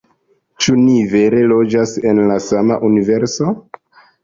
Ĉu ni vere loĝas en la sama universo?